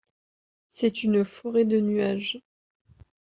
C'est une forêt de nuage.